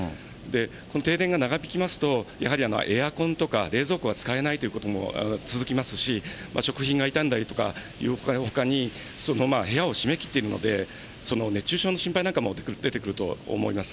この停電が長引きますと、やはりエアコンとか冷蔵庫が使えないということも続きますし、食品が傷んだりとか、ほかに、部屋を閉め切っているので熱中症の心配なんかも出てくると思います。